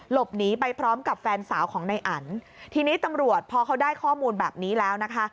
หลบหนีไปพร้อมกับแฟนสาวของนายอันทีนี้ตำรวจพอเขาได้ข้อมูลแบบนี้แล้วนะคะ